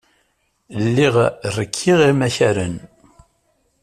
Lliɣ rekkiɣ imakaren.